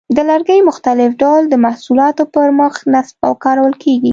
د لرګي مختلف ډول محصولاتو پر مخ نصب او کارول کېږي.